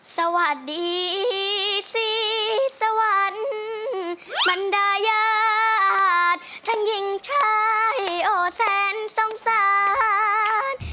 สวัสดีศรีสวรรค์บรรดายาททั้งหญิงชายโอแสนสงสาร